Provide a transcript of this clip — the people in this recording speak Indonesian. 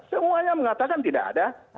semuanya mengatakan tidak ada